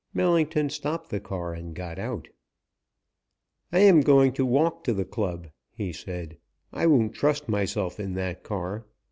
Millington stopped the car and got out. "I am going to walk to the Club," he said. "I won't trust myself in that car.